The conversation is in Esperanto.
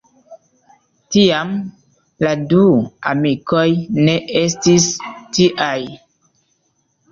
Tiam la du amikoj ne estis tiaj.